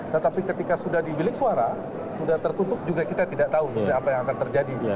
tetapi ketika sudah di bilik suara sudah tertutup juga kita tidak tahu sebenarnya apa yang akan terjadi